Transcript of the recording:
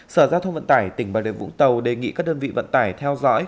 sở giao thông vận tải tỉnh bà rịa vũng tàu đề nghị các đơn vị vận tải theo dõi